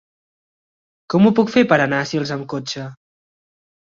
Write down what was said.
Com ho puc fer per anar a Sils amb cotxe?